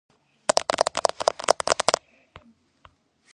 ბავშვები ჯდებიან წრეში.